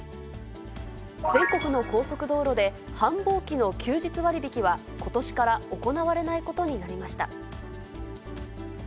全国の高速道路で繁忙期の休日割引は、ことしから行われないことになりました。